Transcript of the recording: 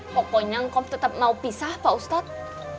pokoknya engkau tetap mau pisah pak ustadz